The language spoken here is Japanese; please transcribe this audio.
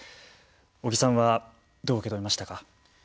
尾木さんはどう受け止めましたか。